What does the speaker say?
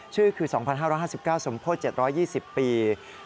ชื่อคือ๒๕๕๙สมโพธิ๗๒๐ปี